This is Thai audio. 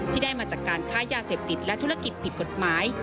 ที่ได้มาจากการค้ายาเสพติดและธุรกิจผิดกฎหมาย